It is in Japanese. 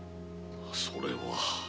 それは。